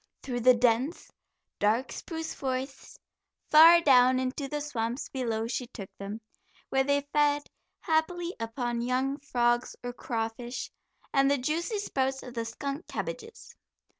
Through the dense, dark spruce forests, far down into the swamps below she took them, where they fed happily upon young frogs or crawfish, and the juicy sprouts of the skunk cabbages.